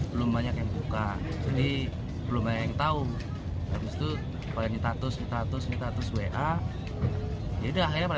penyebabnya apa sih pak